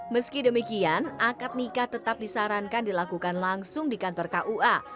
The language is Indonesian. meski demikian akad nikah tetap disarankan dilakukan langsung di kantor kua